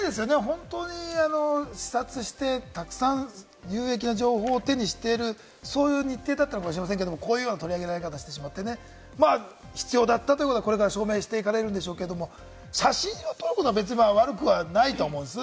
本当に視察して、たくさん有益な情報を手にしている、そういう日程だったのかもしれませんけれども、こういう取り上げられ方をして、必要だったということをこれから証明していかれるんでしょうけれども、写真を撮ることは悪くはないとは思うんです。